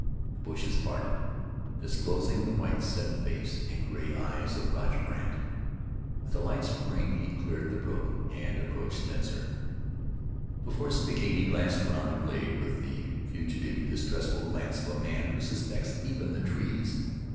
The bushes parted, disclosing the white, set face and gray eyes of Roger Brandt. With a light spring he cleared the brook and approached Metzar. Before speaking he glanced around the glade with the fugitive, distrustful glance of a man who suspects even the trees.